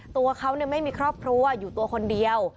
ตัวเขาไม่มีครอบครัวอยู่ตัวคนเดียว